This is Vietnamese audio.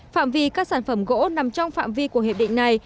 phạm vi các sản phẩm gỗ nằm trong phạm vi của hiệp định này